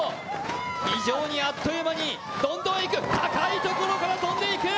非常にあっという間に、どんどんいく高い所から跳んでいく！